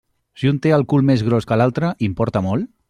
Si un té el cul més gros que l'altre, importa molt?